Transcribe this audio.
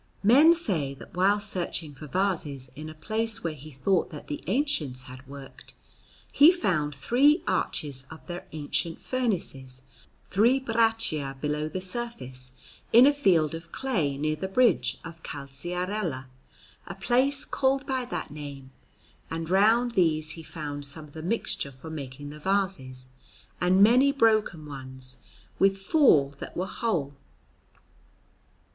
Men say that while searching for vases in a place where he thought that the ancients had worked, he found three arches of their ancient furnaces three braccia below the surface in a field of clay near the bridge at Calciarella, a place called by that name; and round these he found some of the mixture for making the vases, and many broken ones, with four that were whole.